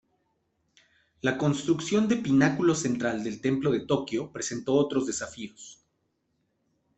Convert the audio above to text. La construcción de pináculo central del templo de Tokio presentó otros desafíos.